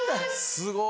すごい。